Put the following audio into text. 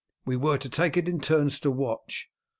We were to take it in turns to watch.